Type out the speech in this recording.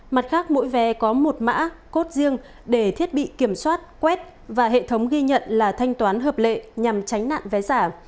mặt khác mỗi vé có một mã cốt riêng để thiết bị kiểm soát quét và hệ thống ghi nhận là thanh toán hợp lệ nhằm tránh nạn vé giả